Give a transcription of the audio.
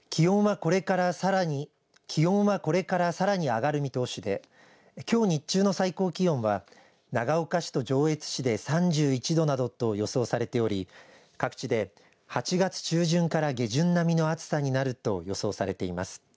気温は、これからさらに上がる見通しできょう日中の最高気温は長岡市と上越市で３１度などと予想されており各地で８月中旬から下旬並みの暑さになると予想されています。